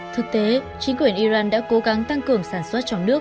thực tế chính quyền iran đã cố gắng tăng cường sản xuất trong nước